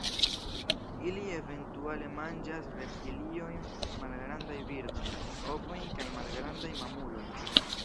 Ili eventuale manĝas reptiliojn, malgrandajn birdojn, ovojn kaj malgrandajn mamulojn.